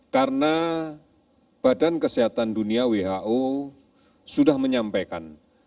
karena badan kesehatan dunia who sudah menyampaikan